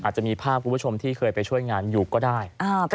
จะมีภาพคุณผู้ชมที่เคยไปช่วยงานอยู่ก็ได้